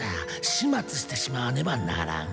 始末してしまわねばならん。